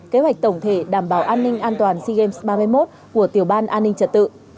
kế hoạch tổng thể đảm bảo an ninh an toàn sea games ba mươi một của tiểu ban an ninh trật tự